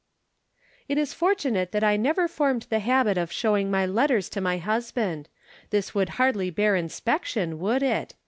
It is fortunate that I never formed the habit of showing my letters to my husband. This would hardly bear inspection, would it